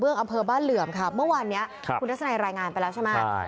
อำเภอบ้านเหลื่อมค่ะเมื่อวานนี้คุณทัศนัยรายงานไปแล้วใช่ไหม